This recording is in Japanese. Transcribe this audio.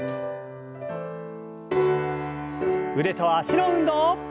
腕と脚の運動。